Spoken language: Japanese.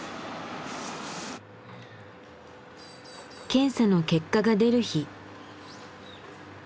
検査の結果が出る日。